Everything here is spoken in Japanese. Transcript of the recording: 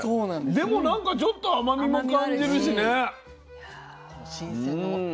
でもなんかちょっと甘みも感じるしね。